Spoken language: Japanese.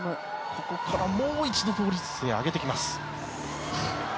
ここからもう一度倒立姿勢へ上げていきます。